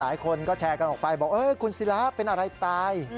หลายคนก็แชร์กันออกไปบอกคุณศิลาเป็นอะไรตาย